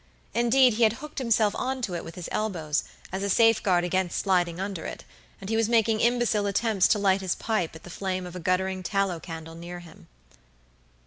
Indeed, he had hooked himself on to it with his elbows, as a safeguard against sliding under it, and he was making imbecile attempts to light his pipe at the flame of a guttering tallow candle near him.